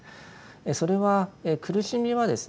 それは苦しみはですね